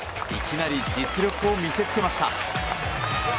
いきなり実力を見せつけました。